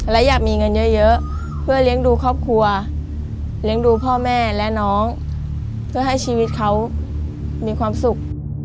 และอยากมีเงินเยอะเพื่อเลี้ยงดูครอบครัวเลี้ยงดูพ่อแม่และน้องเพื่อให้ชีวิตเขามีความสุข